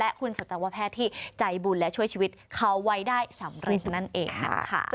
และคุณสัตวแพทย์ที่ใจบุญและช่วยชีวิตเขาไว้ได้สำเร็จนั่นเองนะคะ